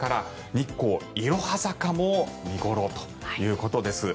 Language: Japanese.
日光・いろは坂も見頃ということです。